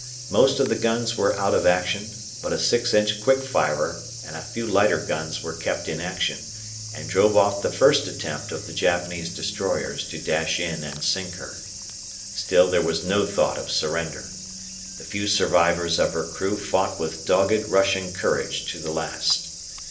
Most of the guns were out of action, but a 6 inch quick firer and a few lighter guns were kept in action, and drove off the first attempt of the Japanese destroyers to dash in and sink her. Still there was no thought of surrender. The few survivors of her crew fought with dogged Russian courage to the last.